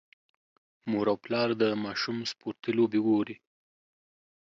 مور او پلار د ماشوم سپورتي لوبې ګوري.